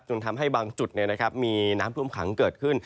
ทำให้บางจุดมีน้ำท่วมขังเกิดขึ้น